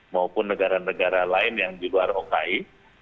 maupun negara negara lain yang di luar oki